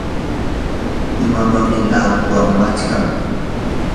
mamaa laqyamashqam.